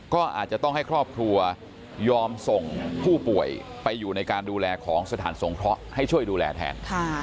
ก็อาจจะต้องให้ครอบครัวยอมส่งผู้ป่วยไปอยู่ในการดูแลของสถานสงเคราะห์ให้ช่วยดูแลแทน